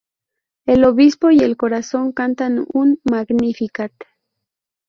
El obispo y el corazón cantan un Magnificat.